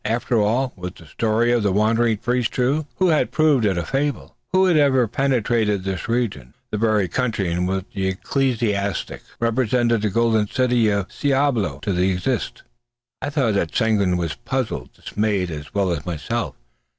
After all, was the story of the wandering priest true? Who had proved it a fable? Who had ever penetrated this region, the very country in which the ecclesiastic represented the golden city of Cibolo to exist? I saw that Seguin was puzzled, dismayed, as well as myself.